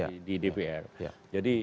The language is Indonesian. jadi saya tidak mengharapkan